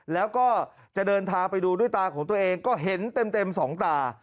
แล้วก็จะเดินทางไปดูด้วยตาของตัวเองก็เห็นเต็มสองตา